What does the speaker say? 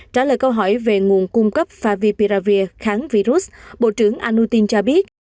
trả lời câu hỏi về nguồn cung cấp favipravir kháng virus bộ trưởng anutin cho biết